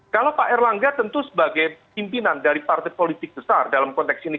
kalau pak erlangga tentu sebagai pimpinan dari partai politik besar dalam konteks ini